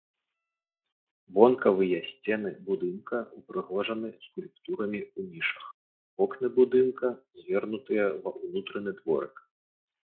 Вонкавыя сцены будынка ўпрыгожаны скульптурамі ў нішах, вокны будынка звернутыя ва ўнутраны дворык.